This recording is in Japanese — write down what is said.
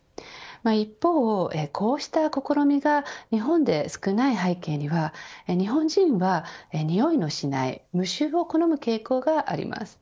一方、こうした試みが日本で少ない背景には日本人は、においのしない無臭を好む傾向があります